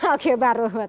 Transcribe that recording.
oke bang ruhut